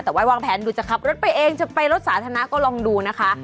แต่ว่าวางแผนดูจะขับรถไปเองจะไปรถสาธารณะก็ลองดูนะคะ